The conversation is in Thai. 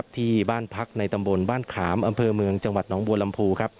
ที่บ้านพักในตำบลบ้านขามอำเภอเมืองจังหวัดหนองบัวลำพู